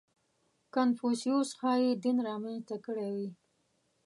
• کنفوسیوس ښایي دین را منځته کړی وي.